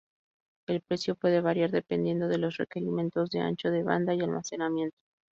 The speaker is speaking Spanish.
El precio puede variar dependiendo de los requerimientos de ancho de banda y almacenamiento.